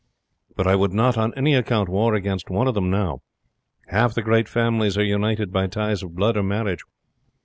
But I would not on any account war against one of them now. Half the great families are united by ties of blood or marriage.